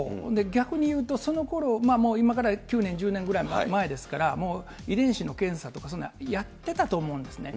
逆に言うと、そのころ、今から９年、１０年ぐらい前ですから、もう遺伝子の検査とかそんなんやってたと思うんですよね。